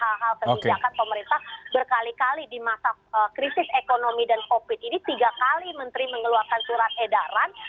hal hal kebijakan pemerintah berkali kali di masa krisis ekonomi dan covid ini tiga kali menteri mengeluarkan surat edaran